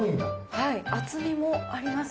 はい厚みもあります。